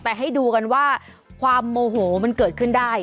แต่ให้ดูกันว่าความโมโหมันเกิดขึ้นได้